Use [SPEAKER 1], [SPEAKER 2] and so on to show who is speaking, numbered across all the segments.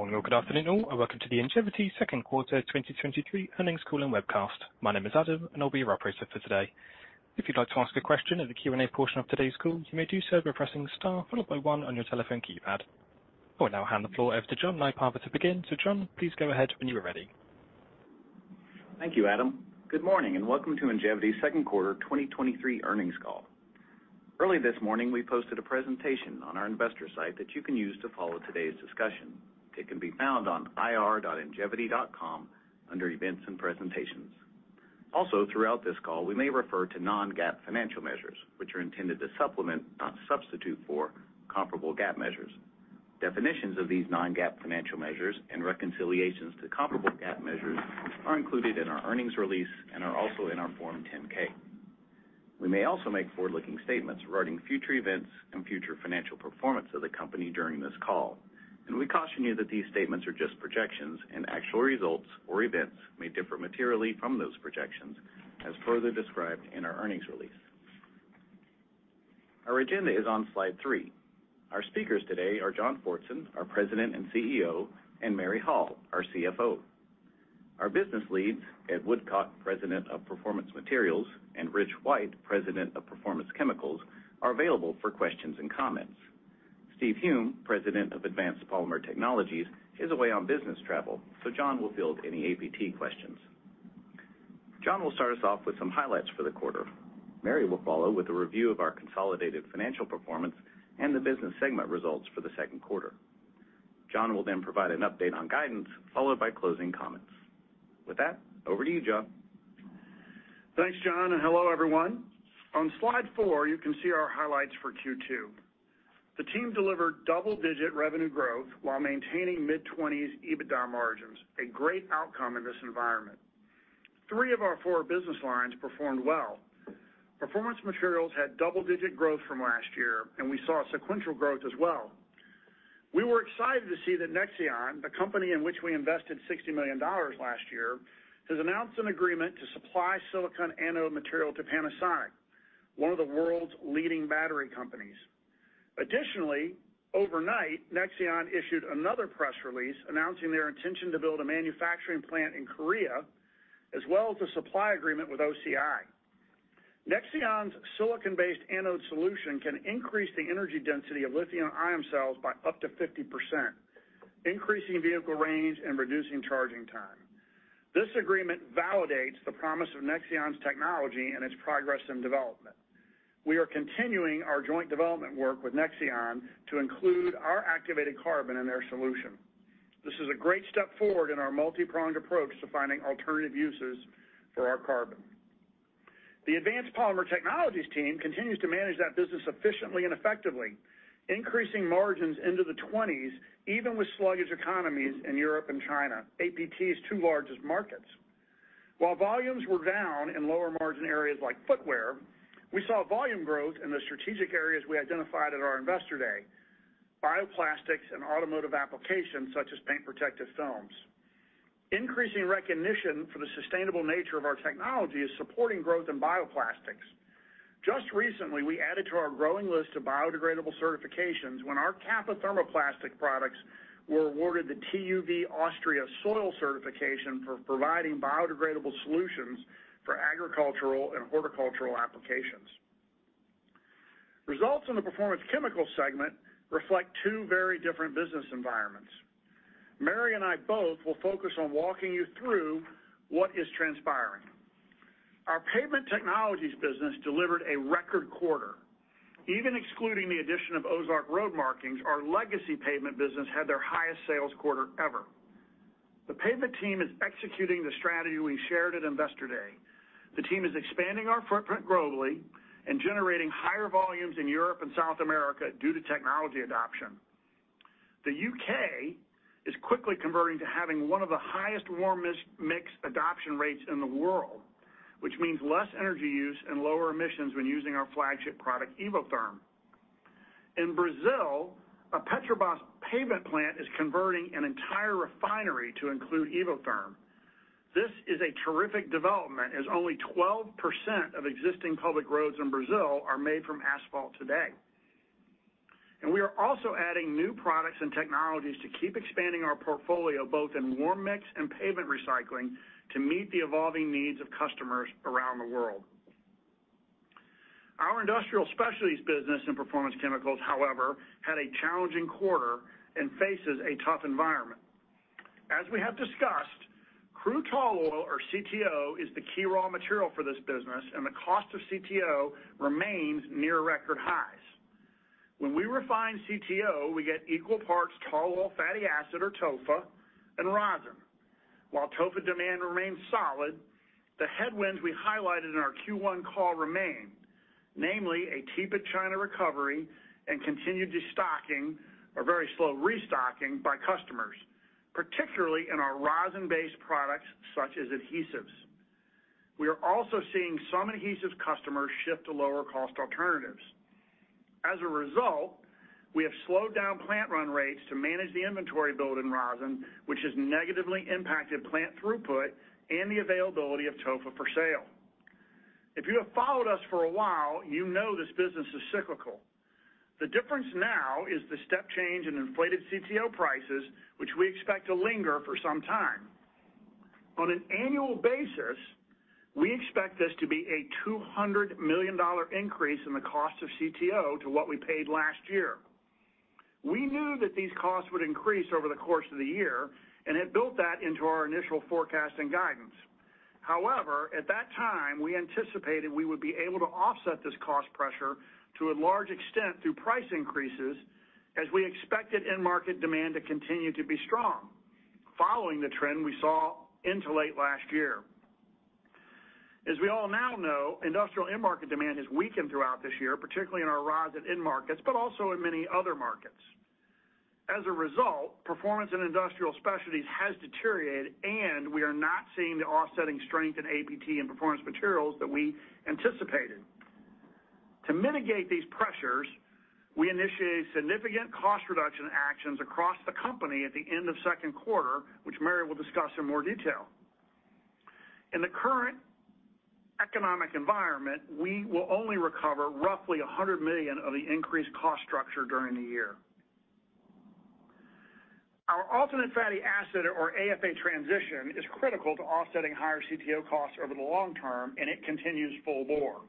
[SPEAKER 1] Good morning or good afternoon all, welcome to the Ingevity Q2 2023 Earnings Call and Webcast. My name is Adam, and I'll be your operator for today. If you'd like to ask a question in the Q&A portion of today's call, you may do so by pressing star followed by 1 on your telephone keypad. I will now hand the floor over to John Nypaver to begin. John, please go ahead when you are ready.
[SPEAKER 2] Thank you, Adam. Good morning, and welcome to Ingevity's Q2 2023 earnings call. Early this morning, we posted a presentation on our investor site that you can use to follow today's discussion. It can be found on ir.ingevity.com under Events and Presentations. Throughout this call, we may refer to non-GAAP financial measures, which are intended to supplement, not substitute for, comparable GAAP measures. Definitions of these non-GAAP financial measures and reconciliations to comparable GAAP measures are included in our earnings release and are also in our Form 10-K. We may also make forward-looking statements regarding future events and future financial performance of the company during this call, and we caution you that these statements are just projections, and actual results or events may differ materially from those projections, as further described in our earnings release. Our agenda is on slide 3. Our speakers today are John Fortson, our President and CEO, and Mary Hall, our CFO. Our business leads, Ed Woodcock, President of Performance Materials, and Rich White, President of Performance Chemicals, are available for questions and comments. Steve Hume, President of Advanced Polymer Technologies, is away on business travel, so John will field any APT questions. John will start us off with some highlights for the quarter. Mary will follow with a review of our consolidated financial performance and the business segment results for the Q2. John will then provide an update on guidance, followed by closing comments. With that, over to you, John.
[SPEAKER 3] Thanks, John. Hello, everyone. On slide 4, you can see our highlights for Q2. The team delivered double-digit revenue growth while maintaining mid-twenties EBITDA margins, a great outcome in this environment. Three of our four business lines performed well. Performance Materials had double-digit growth from last year, and we saw sequential growth as well. We were excited to see that Nexeon, the company in which we invested $60 million last year, has announced an agreement to supply silicon anode material to Panasonic, one of the world's leading battery companies. Additionally, overnight, Nexeon issued another press release announcing their intention to build a manufacturing plant in Korea, as well as a supply agreement with OCI. Nexeon's silicon-based anode solution can increase the energy density of lithium-ion cells by up to 50%, increasing vehicle range and reducing charging time. This agreement validates the promise of Nexeon's technology and its progress in development. We are continuing our joint development work with Nexeon to include our activated carbon in their solution. This is a great step forward in our multi-pronged approach to finding alternative uses for our carbon. The Advanced Polymer Technologies team continues to manage that business efficiently and effectively, increasing margins into the 20s, even with sluggish economies in Europe and China, APT's two largest markets. While volumes were down in lower margin areas like footwear, we saw volume growth in the strategic areas we identified at our Investor Day, bioplastics and automotive applications such as paint protective films. Increasing recognition for the sustainable nature of our technology is supporting growth in bioplastics. Just recently, we added to our growing list of biodegradable certifications when our CAPA thermoplastic products were awarded the TÜV AUSTRIA Soil Certification for providing biodegradable solutions for agricultural and horticultural applications. Results in the Performance Chemicals segment reflect two very different business environments. Mary and I both will focus on walking you through what is transpiring. Our Pavement Technologies business delivered a record quarter. Even excluding the addition of Ozark Road Markings, our legacy pavement business had their highest sales quarter ever. The pavement team is executing the strategy we shared at Investor Day. The team is expanding our footprint globally and generating higher volumes in Europe and South America due to technology adoption. The UK is quickly converting to having one of the highest warm mix adoption rates in the world, which means less energy use and lower emissions when using our flagship product, Evotherm. In Brazil, a Petrobras pavement plant is converting an entire refinery to include Evotherm. This is a terrific development, as only 12% of existing public roads in Brazil are made from asphalt today. We are also adding new products and technologies to keep expanding our portfolio, both in warm mix and pavement recycling, to meet the evolving needs of customers around the world. Our Industrial Specialties business and Performance Chemicals, however, had a challenging quarter and faces a tough environment. As we have discussed, crude tall oil, or CTO, is the key raw material for this business, and the cost of CTO remains near record highs. When we refine CTO, we get equal parts tall oil fatty acid, or TOFA, and rosin. While TOFA demand remains solid, the headwinds we highlighted in our Q1 call remain, namely a tepid China recovery and continued destocking or very slow restocking by customers, particularly in our rosin-based products such as adhesives. We are also seeing some adhesives customers shift to lower-cost alternatives. As a result, we have slowed down plant run rates to manage the inventory build in rosin, which has negatively impacted plant throughput and the availability of TOFA for sale. If you have followed us for a while, you know this business is cyclical. The difference now is the step change in inflated CTO prices, which we expect to linger for some time. On an annual basis, we expect this to be a $200 million increase in the cost of CTO to what we paid last year. We knew that these costs would increase over the course of the year and had built that into our initial forecast and guidance. However, at that time, we anticipated we would be able to offset this cost pressure to a large extent through price increases, as we expected end market demand to continue to be strong, following the trend we saw into late last year. As we all now know, industrial end market demand has weakened throughout this year, particularly in our rosin end markets, but also in many other markets. As a result, performance in Industrial Specialties has deteriorated, and we are not seeing the offsetting strength in APT and Performance Materials that we anticipated. To mitigate these pressures, we initiated significant cost reduction actions across the company at the end of Q2, which Mary will discuss in more detail. In the current economic environment, we will only recover roughly $100 million of the increased cost structure during the year. Our alternate fatty acid, or AFA transition, is critical to offsetting higher CTO costs over the long term. It continues full bore.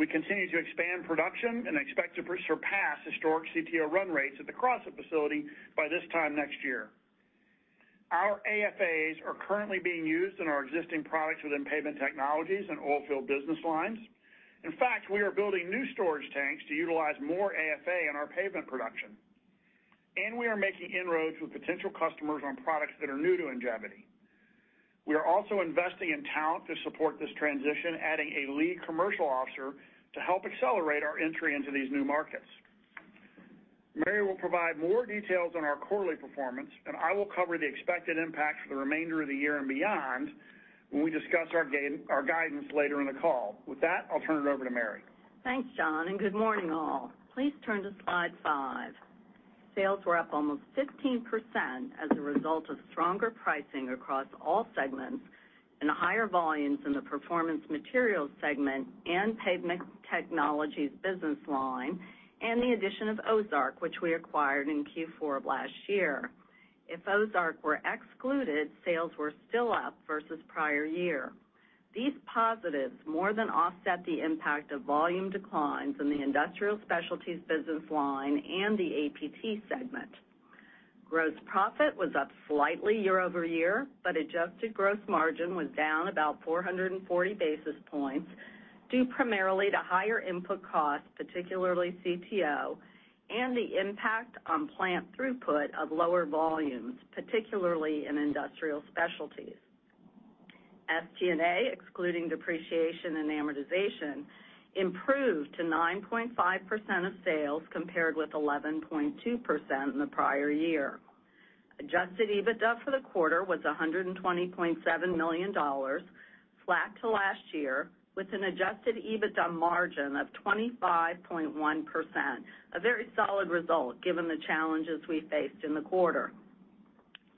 [SPEAKER 3] We continue to expand production and expect to surpass historic CTO run rates at the Crossett facility by this time next year. Our AFAs are currently being used in our existing products within Pavement Technologies and Oilfield business lines. In fact, we are building new storage tanks to utilize more AFA in our pavement production, and we are making inroads with potential customers on products that are new to Ingevity. We are also investing in talent to support this transition, adding a lead commercial officer to help accelerate our entry into these new markets. Mary will provide more details on our quarterly performance, and I will cover the expected impacts for the remainder of the year and beyond when we discuss our guidance later in the call. With that, I'll turn it over to Mary.
[SPEAKER 4] Thanks, John, and good morning, all. Please turn to slide five. Sales were up almost 15% as a result of stronger pricing across all segments and higher volumes in the Performance Materials segment and Pavement Technologies business line, and the addition of Ozark, which we acquired in Q4 of last year. If Ozark were excluded, sales were still up versus prior year. These positives more than offset the impact of volume declines in the Industrial Specialties business line and the APT segment. Gross profit was up slightly year-over-year, but adjusted gross margin was down about 440 basis points, due primarily to higher input costs, particularly CTO, and the impact on plant throughput of lower volumes, particularly in Industrial Specialties. SG&A, excluding depreciation and amortization, improved to 9.5% of sales, compared with 11.2% in the prior year. Adjusted EBITDA for the quarter was $120.7 million, flat to last year, with an Adjusted EBITDA margin of 25.1%. A very solid result, given the challenges we faced in the quarter.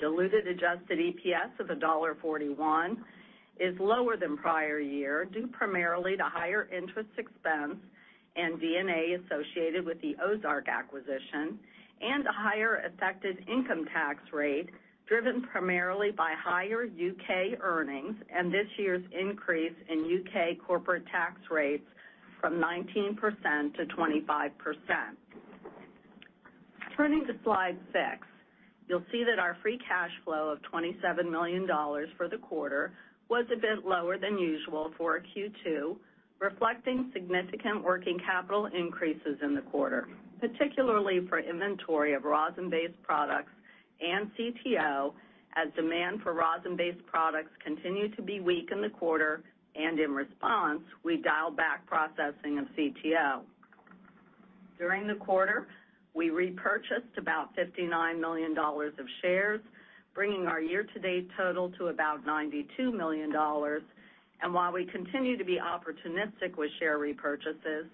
[SPEAKER 4] Diluted adjusted EPS of $1.41 is lower than prior year, due primarily to higher interest expense and D&A associated with the Ozark acquisition, and a higher affected income tax rate, driven primarily by higher UK earnings and this year's increase in UK corporate tax rates from 19%-25%. Turning to slide six, you'll see that our free cash flow of $27 million for the quarter was a bit lower than usual for a Q2, reflecting significant working capital increases in the quarter, particularly for inventory of rosin-based products and CTO, as demand for rosin-based products continued to be weak in the quarter, and in response, we dialed back processing of CTO. During the quarter, we repurchased about $59 million of shares, bringing our year-to-date total to about $92 million. While we continue to be opportunistic with share repurchases,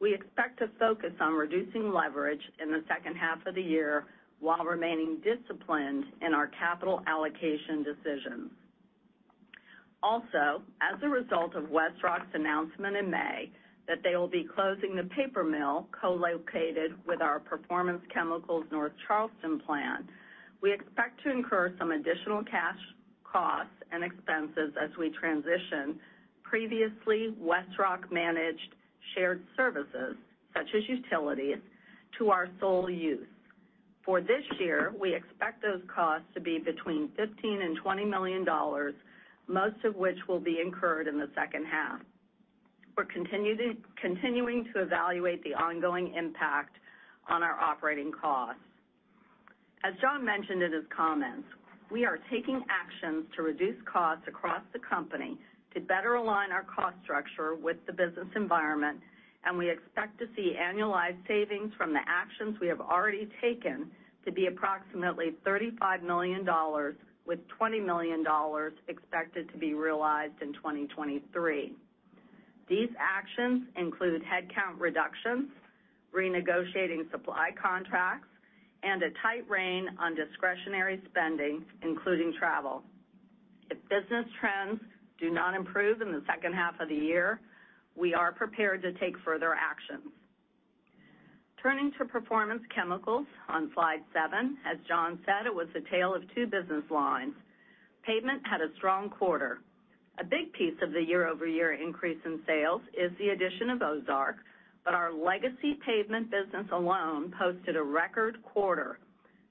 [SPEAKER 4] we expect to focus on reducing leverage in the second half of the year, while remaining disciplined in our capital allocation decisions. Also, as a result of WestRock's announcement in May that they will be closing the paper mill co-located with our Performance Chemicals North Charleston plant, we expect to incur some additional cash costs and expenses as we transition previously WestRock-managed shared services, such as utilities, to our sole use. For this year, we expect those costs to be between $15 million and $20 million, most of which will be incurred in the second half. We're continuing to evaluate the ongoing impact on our operating costs. As John mentioned in his comments, we are taking actions to reduce costs across the company to better align our cost structure with the business environment. We expect to see annualized savings from the actions we have already taken to be approximately $35 million, with $20 million expected to be realized in 2023. These actions include headcount reductions. renegotiating supply contracts, and a tight rein on discretionary spending, including travel. If business trends do not improve in the second half of the year, we are prepared to take further actions. Turning to Performance Chemicals on slide 7, as John said, it was a tale of 2 business lines. Pavement had a strong quarter. A big piece of the year-over-year increase in sales is the addition of Ozark, but our legacy pavement business alone posted a record quarter,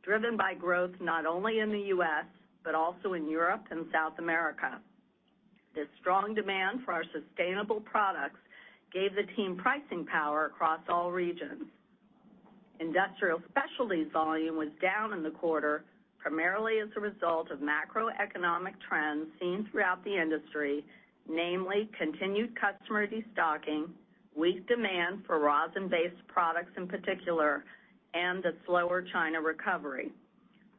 [SPEAKER 4] driven by growth not only in the U.S., but also in Europe and South America. This strong demand for our sustainable products gave the team pricing power across all regions. Industrial Specialties volume was down in the quarter, primarily as a result of macroeconomic trends seen throughout the industry, namely continued customer destocking, weak demand for rosin-based products in particular, and a slower China recovery.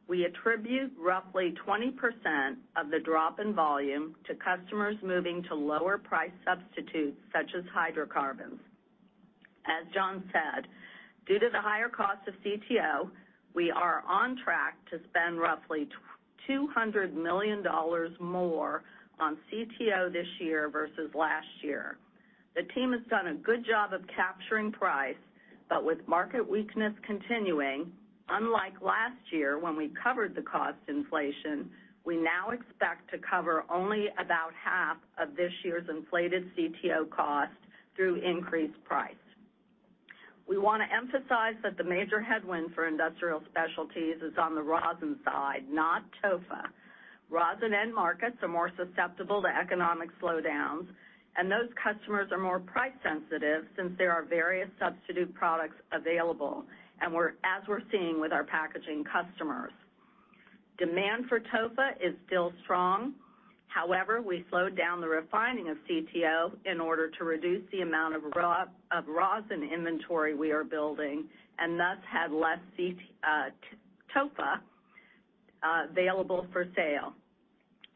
[SPEAKER 4] We attribute roughly 20% of the drop in volume to customers moving to lower price substitutes, such as hydrocarbons. As John said, due to the higher cost of CTO, we are on track to spend roughly $200 million more on CTO this year versus last year. The team has done a good job of capturing price, but with market weakness continuing, unlike last year, when we covered the cost inflation, we now expect to cover only about half of this year's inflated CTO cost through increased price. We wanna emphasize that the major headwind for Industrial Specialties is on the rosin side, not TOFA. Rosin end markets are more susceptible to economic slowdowns, and those customers are more price sensitive since there are various substitute products available, as we're seeing with our packaging customers. Demand for TOFA is still strong. However, we slowed down the refining of CTO in order to reduce the amount of rosin inventory we are building, and thus had less TOFA available for sale.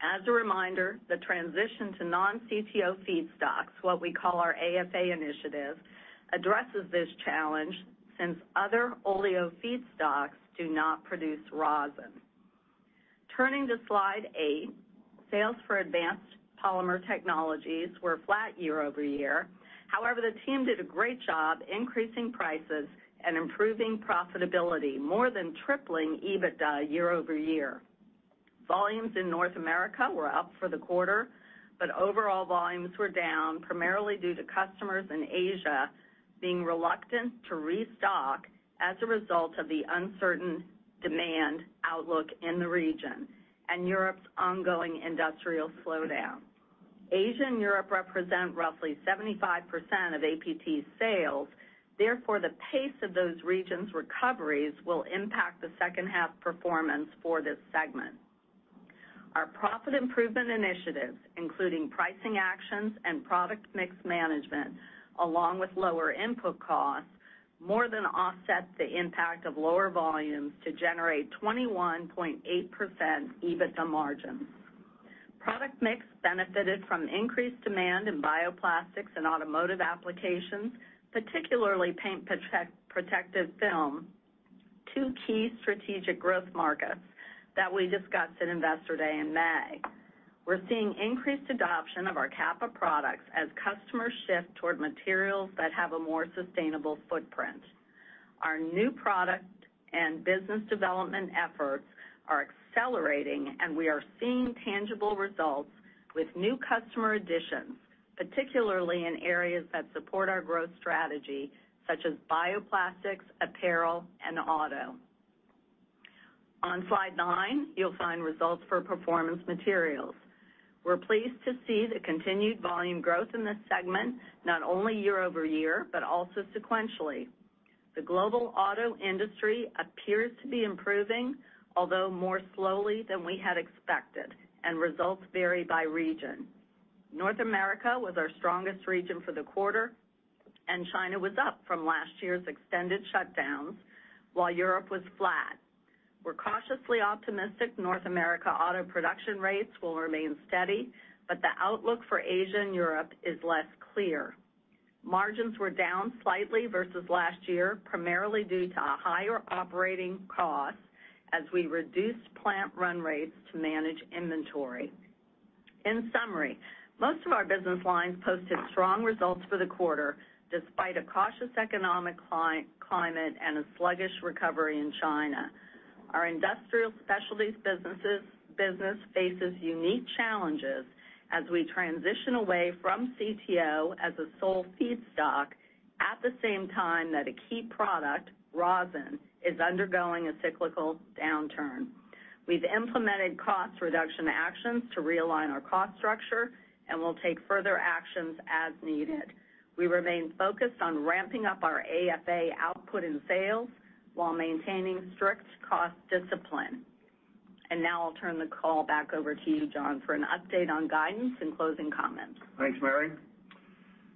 [SPEAKER 4] As a reminder, the transition to non-CTO feedstocks, what we call our AFA initiative, addresses this challenge since other oleo feedstocks do not produce rosin. Turning to slide 8, sales for Advanced Polymer Technologies were flat year-over-year. However, the team did a great job increasing prices and improving profitability, more than tripling EBITDA year-over-year. Volumes in North America were up for the quarter, but overall volumes were down, primarily due to customers in Asia being reluctant to restock as a result of the uncertain demand outlook in the region, and Europe's ongoing industrial slowdown. Asia and Europe represent roughly 75% of APT's sales. The pace of those regions' recoveries will impact the second half performance for this segment. Our profit improvement initiatives, including pricing actions and product mix management, along with lower input costs, more than offset the impact of lower volumes to generate 21.8% EBITDA margins. Product mix benefited from increased demand in bioplastics and automotive applications, particularly paint protection film, two key strategic growth markets that we discussed at Investor Day in May. We're seeing increased adoption of our CAPA products as customers shift toward materials that have a more sustainable footprint. Our new product and business development efforts are accelerating, and we are seeing tangible results with new customer additions, particularly in areas that support our growth strategy, such as bioplastics, apparel, and auto. On slide 9, you'll find results for Performance Materials. We're pleased to see the continued volume growth in this segment, not only year-over-year, but also sequentially. The global auto industry appears to be improving, although more slowly than we had expected, and results vary by region. North America was our strongest region for the quarter, and China was up from last year's extended shutdowns, while Europe was flat. We're cautiously optimistic North America auto production rates will remain steady, but the outlook for Asia and Europe is less clear. Margins were down slightly versus last year, primarily due to a higher operating cost as we reduced plant run rates to manage inventory. In summary, most of our business lines posted strong results for the quarter, despite a cautious economic climate and a sluggish recovery in China. Our Industrial Specialties business faces unique challenges as we transition away from CTO as a sole feedstock at the same time that a key product, rosin, is undergoing a cyclical downturn. We've implemented cost reduction actions to realign our cost structure, and we'll take further actions as needed. We remain focused on ramping up our AFA output and sales while maintaining strict cost discipline. Now I'll turn the call back over to you, John, for an update on guidance and closing comments.
[SPEAKER 3] Thanks, Mary.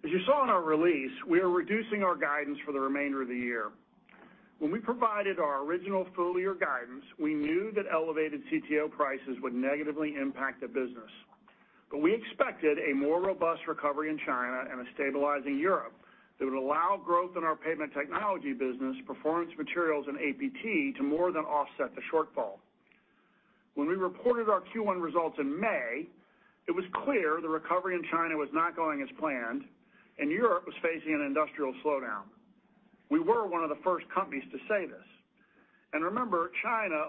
[SPEAKER 3] As you saw in our release, we are reducing our guidance for the remainder of the year. When we provided our original full-year guidance, we knew that elevated CTO prices would negatively impact the business. We expected a more robust recovery in China and a stabilizing Europe that would allow growth in our Pavement Technologies business, Performance Materials, and APT, to more than offset the shortfall. When we reported our Q1 results in May, it was clear the recovery in China was not going as planned, and Europe was facing an industrial slowdown. We were one of the first companies to say this. Remember, China,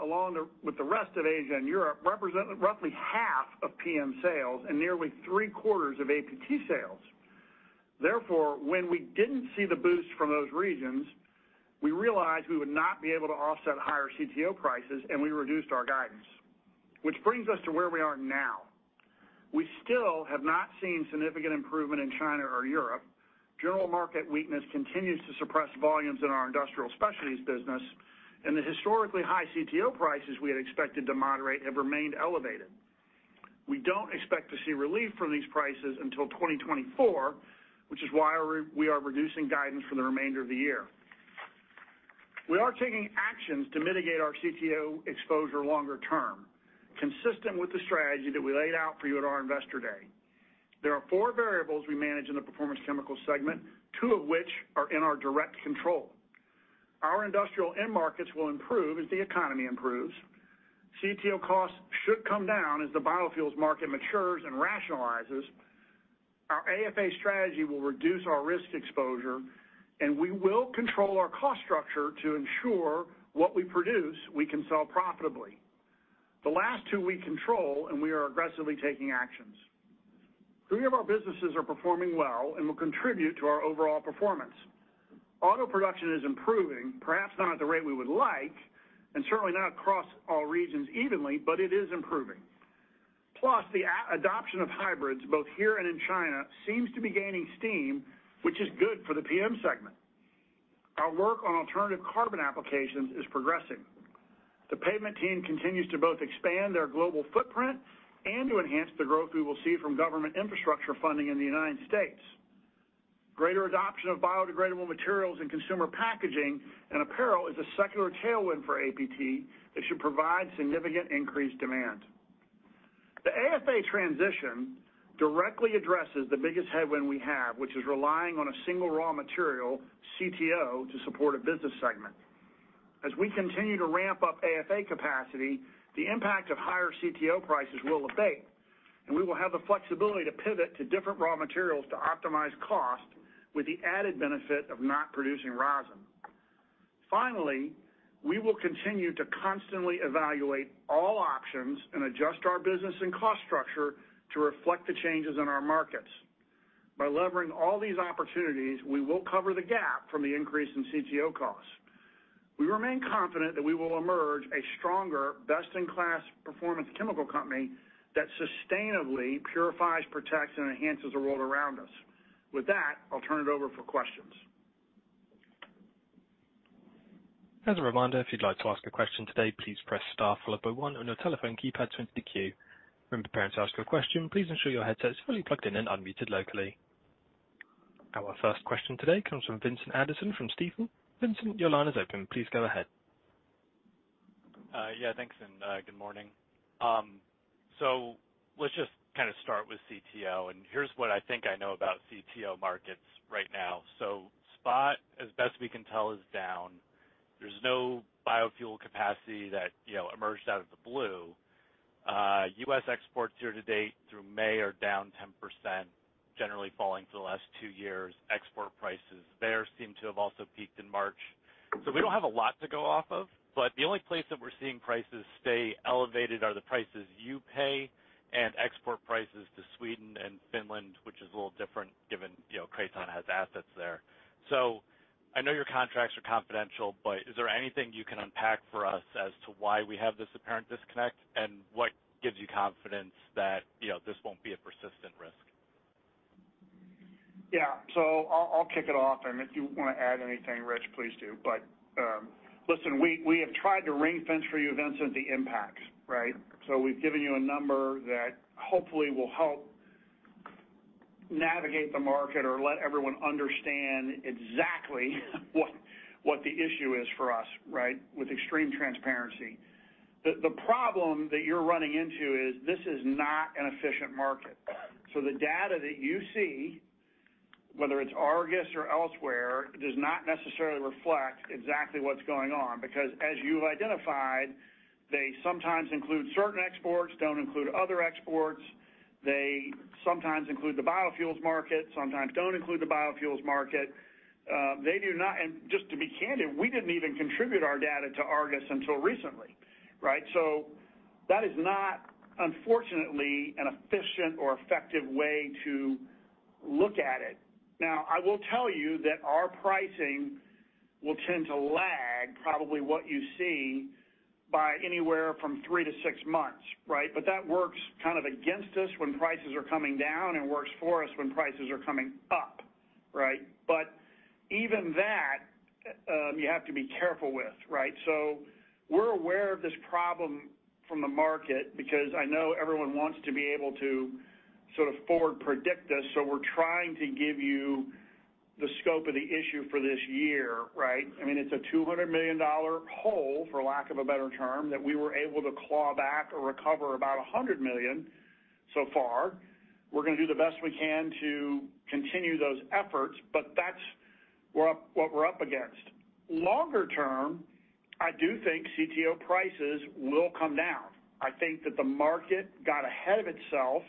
[SPEAKER 3] with the rest of Asia and Europe, represent roughly half of PM sales and nearly three-quarters of APT sales. Therefore, when we didn't see the boost from those regions, we realized we would not be able to offset higher CTO prices, and we reduced our guidance. Which brings us to where we are now. We still have not seen significant improvement in China or Europe. General market weakness continues to suppress volumes in our Industrial Specialties business, and the historically high CTO prices we had expected to moderate have remained elevated. We don't expect to see relief from these prices until 2024, which is why we're, we are reducing guidance for the remainder of the year. We are taking actions to mitigate our CTO exposure longer term, consistent with the strategy that we laid out for you at our Investor Day. There are four variables we manage in the Performance Chemicals segment, two of which are in our direct control. Our industrial end markets will improve as the economy improves. CTO costs should come down as the biofuels market matures and rationalizes. Our AFA strategy will reduce our risk exposure, and we will control our cost structure to ensure what we produce, we can sell profitably. The last two we control, and we are aggressively taking actions. Three of our businesses are performing well and will contribute to our overall performance. Auto production is improving, perhaps not at the rate we would like, and certainly not across all regions evenly, but it is improving. The adoption of hybrids, both here and in China, seems to be gaining steam, which is good for the PM segment. Our work on alternative carbon applications is progressing. The pavement team continues to both expand their global footprint and to enhance the growth we will see from government infrastructure funding in the United States. Greater adoption of biodegradable materials in consumer packaging and apparel is a secular tailwind for APT that should provide significant increased demand. The AFA transition directly addresses the biggest headwind we have, which is relying on a single raw material, CTO, to support a business segment. As we continue to ramp up AFA capacity, the impact of higher CTO prices will abate, and we will have the flexibility to pivot to different raw materials to optimize cost, with the added benefit of not producing rosin. Finally, we will continue to constantly evaluate all options and adjust our business and cost structure to reflect the changes in our markets. By levering all these opportunities, we will cover the gap from the increase in CTO costs. We remain confident that we will emerge a stronger, best-in-class performance chemical company that sustainably purifies, protects, and enhances the world around us. With that, I'll turn it over for questions.
[SPEAKER 1] As a reminder, if you'd like to ask a question today, please press star followed by one on your telephone keypad to enter the queue. When preparing to ask a question, please ensure your headset is fully plugged in and unmuted locally. Our first question today comes from Vincent Anderson, from Stephens. Vincent, your line is open. Please go ahead.
[SPEAKER 5] Yeah, thanks, and good morning. Let's just kind of start with CTO, and here's what I think I know about CTO markets right now. Spot, as best we can tell, is down. There's no biofuel capacity that, you know, emerged out of the blue. US exports year-to-date through May are down 10%, generally falling for the last 2 years. Export prices there seem to have also peaked in March. We don't have a lot to go off of, but the only place that we're seeing prices stay elevated are the prices you pay and export prices to Sweden and Finland, which is a little different, given, you know, Kraton has assets there. I know your contracts are confidential, but is there anything you can unpack for us as to why we have this apparent disconnect? What gives you confidence that, you know, this won't be a persistent risk?
[SPEAKER 3] Yeah. I'll, I'll kick it off, and if you want to add anything, Rich, please do. Listen, we, we have tried to ring-fence for you, Vincent, the impact, right? We've given you a number that hopefully will help navigate the market or let everyone understand exactly what, what the issue is for us, right? With extreme transparency. The, the problem that you're running into is this is not an efficient market. The data that you see, whether it's Argus or elsewhere, does not necessarily reflect exactly what's going on because, as you've identified, they sometimes include certain exports, don't include other exports, they sometimes include the biofuels market, sometimes don't include the biofuels market. They do not-- and just to be candid, we didn't even contribute our data to Argus until recently, right? That is not, unfortunately, an efficient or effective way to look at it. Now, I will tell you that our pricing will tend to lag probably what you see by anywhere from 3-6 months, right? That works kind of against us when prices are coming down and works for us when prices are coming up, right? Even that, you have to be careful with. Right. We're aware of this problem from the market, because I know everyone wants to be able to sort of forward predict us, so we're trying to give you the scope of the issue for this year, right? I mean, it's a $200 million hole, for lack of a better term, that we were able to claw back or recover about $100 million so far. We're gonna do the best we can to continue those efforts, but that's what we're up against. Longer term, I do think CTO prices will come down. I think that the market got ahead of itself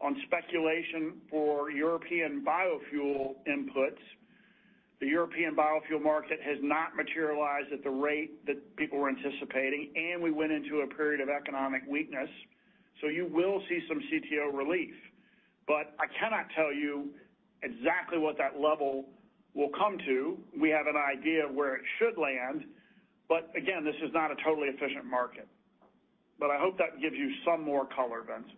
[SPEAKER 3] on speculation for European biofuel inputs. The European biofuel market has not materialized at the rate that people were anticipating, and we went into a period of economic weakness. You will see some CTO relief, but I cannot tell you exactly what that level will come to. We have an idea of where it should land, but again, this is not a totally efficient market. I hope that gives you some more color, Vince.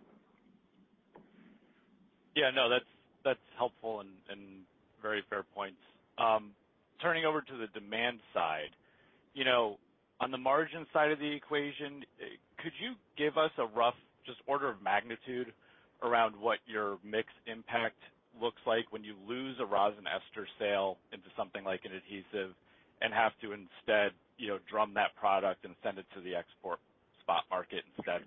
[SPEAKER 5] Yeah, no, that's, that's helpful and, and very fair points. Turning over to the demand side, you know, on the margin side of the equation, could you give us a rough, just order of magnitude around what your mix impact looks like when you lose a rosin ester sale into something like an adhesive and have to instead, you know, drum that product and send it to the export spot market instead?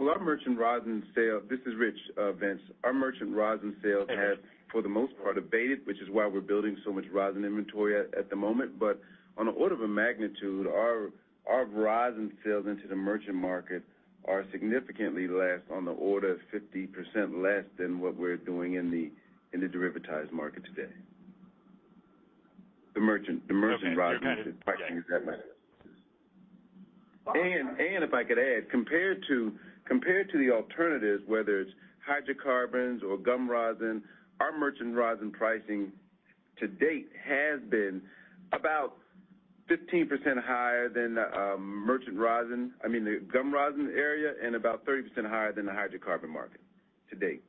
[SPEAKER 6] Well, This is Rich, Vince. Our merchant rosin sales-
[SPEAKER 5] Thank you.
[SPEAKER 6] -have, for the most part, abated, which is why we're building so much rosin inventory at, at the moment. On an order of a magnitude, our, our rosin sales into the merchant market are significantly less, on the order of 50% less than what we're doing in the, in the derivatized market today. The merchant, the merchant rosin-
[SPEAKER 5] Okay.
[SPEAKER 6] pricing, exactly. If I could add, compared to, compared to the alternatives, whether it's hydrocarbons or gum rosin, our merchant rosin pricing to date has been about 15% higher than the merchant rosin, I mean, the gum rosin area, and about 30% higher than the hydrocarbon market to date.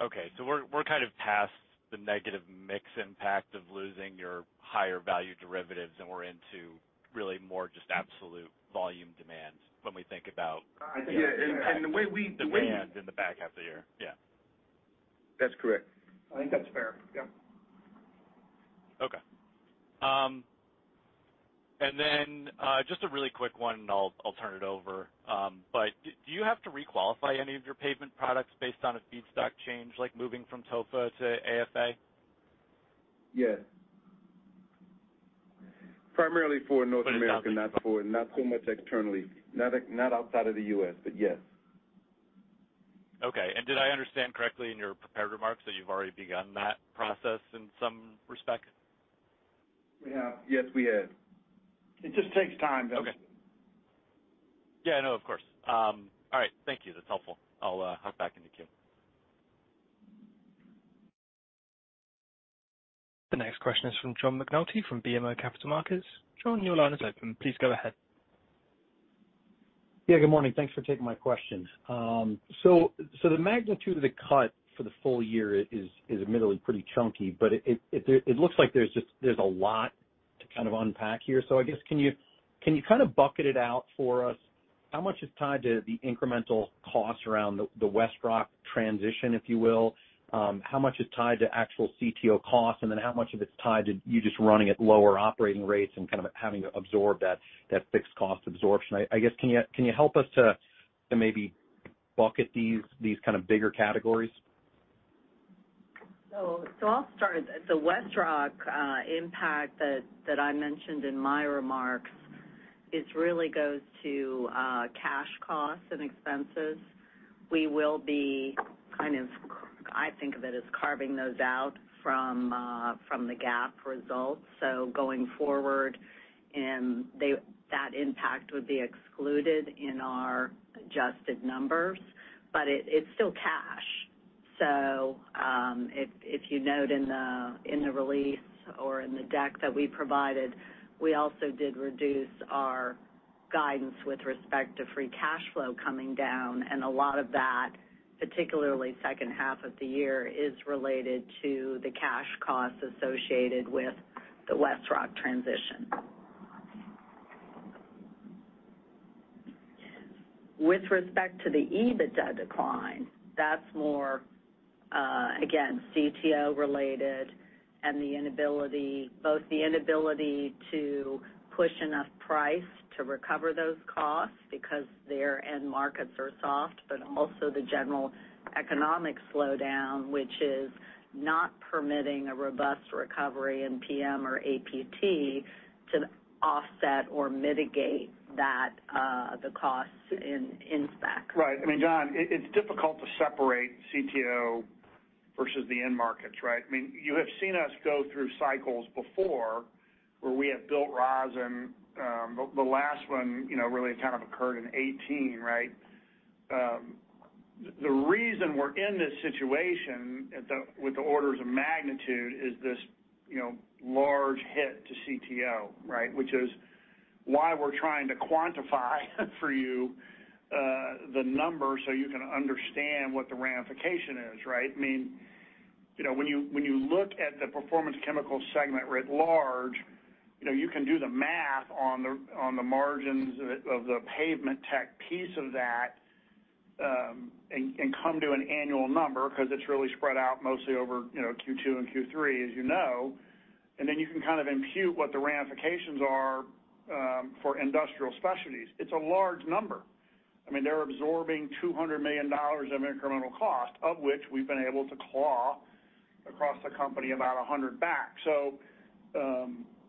[SPEAKER 5] Okay, we're kind of past the negative mix impact of losing your higher value derivatives, and we're into really more just absolute volume demand when we think about.
[SPEAKER 3] I think, yeah, and, and the way we-
[SPEAKER 5] Demand in the back half of the year. Yeah.
[SPEAKER 6] That's correct.
[SPEAKER 3] I think that's fair. Yeah.
[SPEAKER 5] Okay. Just a really quick one, and I'll, I'll turn it over. Do you have to requalify any of your pavement products based on a feedstock change, like moving from TOFA to AFA?
[SPEAKER 6] Yes. Primarily for North America, not for, not so much externally, not outside of the U.S., but yes.
[SPEAKER 5] Okay. Did I understand correctly in your prepared remarks that you've already begun that process in some respect?
[SPEAKER 6] We have. Yes, we have.
[SPEAKER 3] It just takes time, though.
[SPEAKER 5] Okay. Yeah, I know. Of course. All right. Thank you. That's helpful. I'll hop back in the queue.
[SPEAKER 1] The next question is from John McNulty from BMO Capital Markets. John, your line is open. Please go ahead.
[SPEAKER 7] Yeah, good morning. Thanks for taking my questions. The magnitude of the cut for the full year is, is admittedly pretty chunky, but it, it, it looks like there's just, there's a lot to kind of unpack here. I guess, can you, can you kind of bucket it out for us? How much is tied to the incremental cost around the WestRock transition, if you will? How much is tied to actual CTO costs, and then how much of it's tied to you just running at lower operating rates and kind of having to absorb that, that fixed cost absorption? I, I guess, can you, can you help us to, to maybe bucket these, these kind of bigger categories?
[SPEAKER 4] I'll start. The WestRock impact that I mentioned in my remarks, it really goes to cash costs and expenses. We will be kind of, I think of it as carving those out from from the GAAP results. Going forward, that impact would be excluded in our adjusted numbers, but it, it's still cash. If, if you note in the, in the release or in the deck that we provided, we also did reduce our guidance with respect to free cash flow coming down, and a lot of that, particularly second half of the year, is related to the cash costs associated with the WestRock transition. With respect to the EBITDA decline, that's more, again, CTO related and the inability, both the inability to push enough price to recover those costs because their end markets are soft, but also the general economic slowdown, which is not permitting a robust recovery in PM or APT to offset or mitigate that, the costs in, in spec.
[SPEAKER 3] Right. I mean, John, it, it's difficult to separate CTO versus the end markets, right? I mean, you have seen us go through cycles before where we have built rosin. The, the last one, you know, really kind of occurred in 2018, right? The, the reason we're in this situation with the orders of magnitude is this, you know, large hit to CTO, right? Why we're trying to quantify for you, the number, so you can understand what the ramification is, right? I mean, you know, when you look at the Performance Chemicals segment writ large, you know, you can do the math on the margins of the Pavement Technologies piece of that, and come to an annual number, 'cause it's really spread out mostly over, you know, Q2 and Q3, as you know, and then you can kind of impute what the ramifications are for Industrial Specialties. It's a large number. I mean, they're absorbing $200 million of incremental cost, of which we've been able to claw across the company about $100 million back.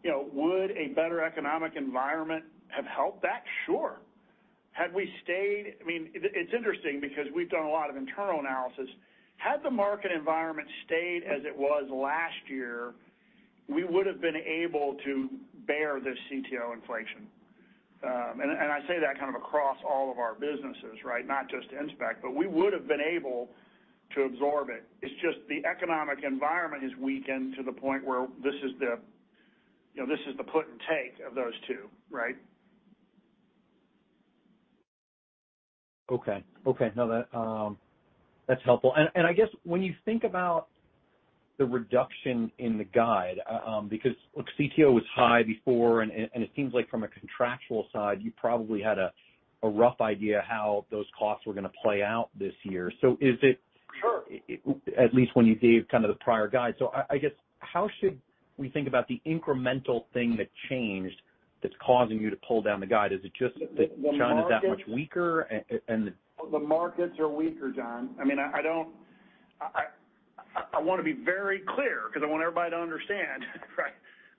[SPEAKER 3] You know, would a better economic environment have helped that? Sure. Had we stayed. I mean, it's interesting because we've done a lot of internal analysis. Had the market environment stayed as it was last year, we would've been able to bear this CTO inflation. I say that kind of across all of our businesses, right? Not just IS. We would've been able to absorb it. It's just the economic environment has weakened to the point where, you know, this is the put and take of those two, right?
[SPEAKER 7] Okay. Okay, no, that, that's helpful. I guess when you think about the reduction in the guide, because, look, CTO was high before, it seems like from a contractual side, you probably had a, a rough idea how those costs were gonna play out this year. Is it-
[SPEAKER 3] Sure.
[SPEAKER 7] At least when you gave kind of the prior guide. I, I guess, how should we think about the incremental thing that changed that's causing you to pull down the guide? Is it just-
[SPEAKER 3] The market-
[SPEAKER 7] that China's that much weaker?
[SPEAKER 3] The markets are weaker, John. I mean, I don't... I wanna be very clear, 'cause I want everybody to understand, right?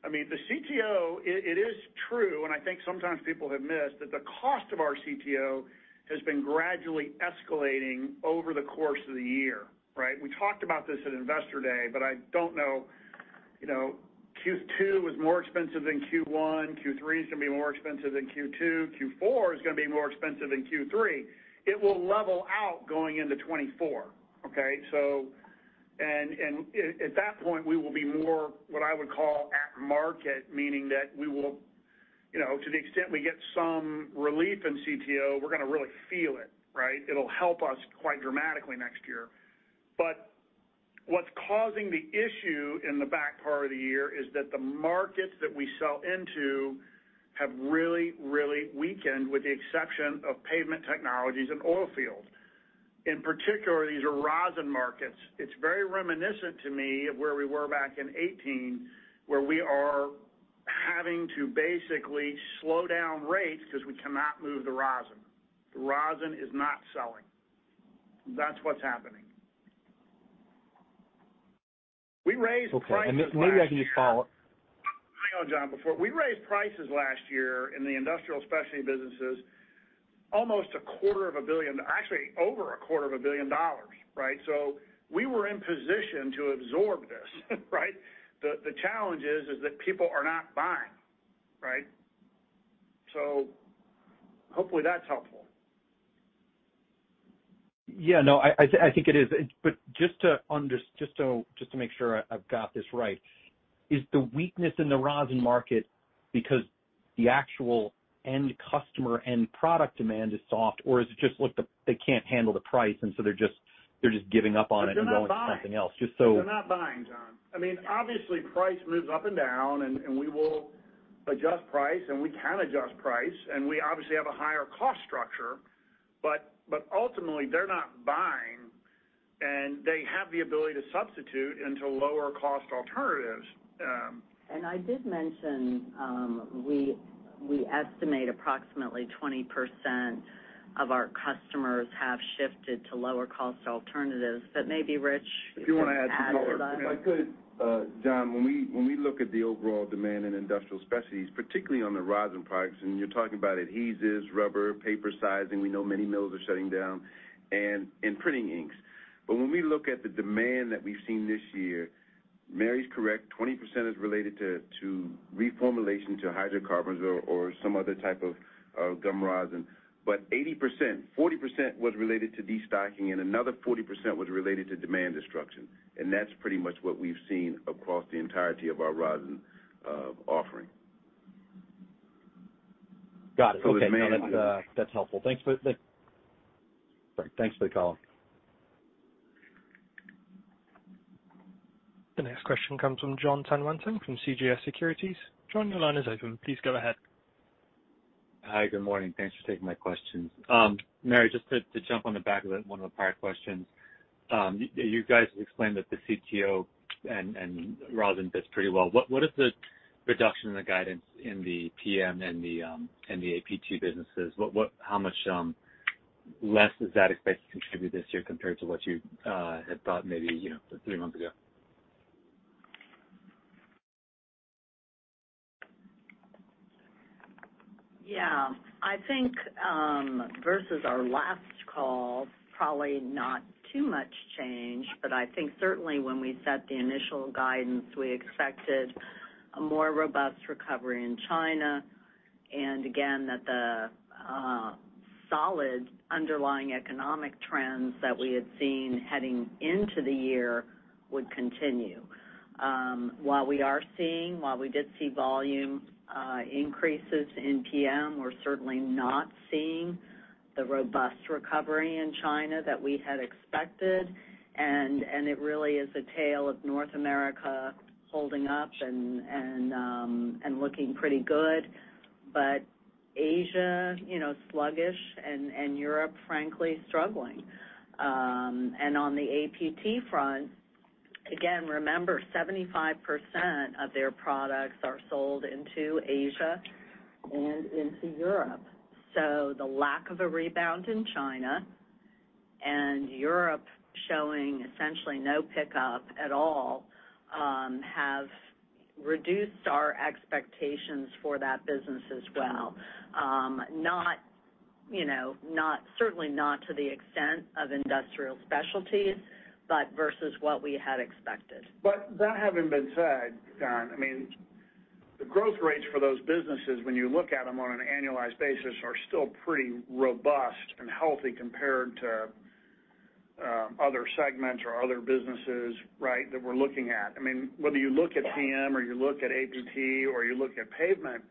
[SPEAKER 3] I mean, the CTO, it is true, and I think sometimes people have missed, that the cost of our CTO has been gradually escalating over the course of the year, right? We talked about this at Investor Day. I don't know, you know, Q2 is more expensive than Q1, Q3 is gonna be more expensive than Q2, Q4 is gonna be more expensive than Q3. It will level out going into 2024, okay? At that point, we will be more, what I would call at market, meaning that we will, you know, to the extent we get some relief in CTO, we're gonna really feel it, right? It'll help us quite dramatically next year. What's causing the issue in the back part of the year is that the markets that we sell into have really, really weakened, with the exception of Pavement Technologies and Oilfield. In particular, these are rosin markets. It's very reminiscent to me of where we were back in 2018, where we are having to basically slow down rates cause we cannot move the rosin. The rosin is not selling. That's what's happening. We raised prices last year.
[SPEAKER 7] Okay, maybe I can just follow up.
[SPEAKER 3] I know, John, before. We raised prices last year in the Industrial Specialties businesses, almost $250 million, actually, over $250 million, right? We were in position to absorb this, right? The challenge is that people are not buying, right? Hopefully, that's helpful.
[SPEAKER 7] Yeah, no, I think it is. Just to make sure I've got this right, is the weakness in the rosin market because the actual end customer, end product demand is soft, or is it just, look, they can't handle the price, and so they're just giving up on it?
[SPEAKER 3] They're not buying
[SPEAKER 7] Going to something else? Just so-
[SPEAKER 3] They're not buying, John. I mean, obviously, price moves up and down, and we will adjust price, and we can adjust price, and we obviously have a higher cost structure. Ultimately, they're not buying, and they have the ability to substitute into lower cost alternatives.
[SPEAKER 4] I did mention, we, we estimate approximately 20% of our customers have shifted to lower cost alternatives. Maybe Rich-
[SPEAKER 3] If you wanna add some more.
[SPEAKER 4] add to that.
[SPEAKER 6] If I could, John, when we look at the overall demand in Industrial Specialties, particularly on the rosin products, and you're talking about adhesives, rubber, paper sizing, we know many mills are shutting down, and in printing inks. When we look at the demand that we've seen this year, Mary's correct, 20% is related to reformulation to hydrocarbons or some other type of gum rosin. 80%, 40% was related to destocking, and another 40% was related to demand destruction, and that's pretty much what we've seen across the entirety of our rosin offering.
[SPEAKER 7] Got it.
[SPEAKER 6] the demand-
[SPEAKER 7] Okay, no, that, that's helpful. Sorry, thanks for the call.
[SPEAKER 1] The next question comes from Jonathan Tanwanteng from CJS Securities. John, your line is open. Please go ahead.
[SPEAKER 8] Hi, good morning. Thanks for taking my questions. Mary, just to, to jump on the back of that, one of the prior questions, you guys have explained that the CTO and, and rosin fits pretty well. What, what is the reduction in the guidance in the PM and the, and the APT businesses? What, what-- how much less is that expected to contribute this year compared to what you had thought maybe, you know, three months ago?
[SPEAKER 4] Yeah. I think, versus our last call, probably not too much change, but I think certainly when we set the initial guidance, we expected a more robust recovery in China, and again, solid underlying economic trends that we had seen heading into the year would continue. While we are seeing, while we did see volume, increases in PM, we're certainly not seeing the robust recovery in China that we had expected. It really is a tale of North America holding up and, and looking pretty good. Asia, you know, sluggish, and, and Europe, frankly, struggling. On the APT front, again, remember, 75% of their products are sold into Asia and into Europe. The lack of a rebound in China and Europe showing essentially no pickup at all, have reduced our expectations for that business as well. Not, you know, not, certainly not to the extent of Industrial Specialties, but versus what we had expected.
[SPEAKER 3] That having been said, John, I mean, the growth rates for those businesses, when you look at them on an annualized basis, are still pretty robust and healthy compared to other segments or other businesses, right, that we're looking at. I mean, whether you look at PM or you look at APT, or you look at Pavement,